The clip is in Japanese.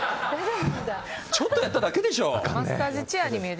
ちょっとやっただけでしょ？